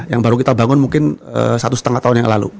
yang baru kita bangun mungkin satu setengah tahun yang lalu